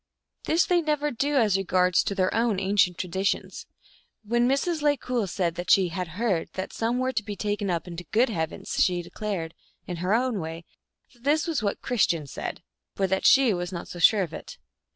This they never do as regards their own ancient traditions. When Mrs. Le Cool said that she " had heard " that some were to be taken up into good heavens, she declared, in her way, that this was what Christians said, but that she was not so sure of it.